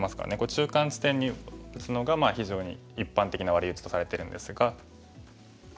中間地点に打つのが非常に一般的なワリウチとされてるんですが。